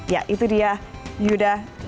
ya itu dia yuda